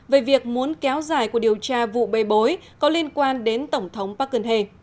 về việc muốn kéo dài của điều tra vụ bê bối có liên quan đến tổng thống park geun hye